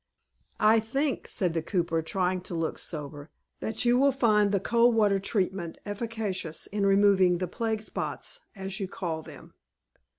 "I think," said the cooper, trying to look sober, "that you will find the cold water treatment efficacious in removing the plague spots, as you call them."